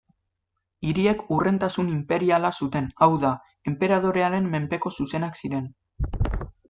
Hiriek hurrentasun inperiala zuten, hau da, enperadorearen menpeko zuzenak ziren.